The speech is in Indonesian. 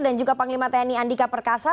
dan juga panglima tni andika perkasa